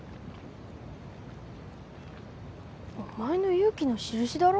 お前の勇気の印だろ。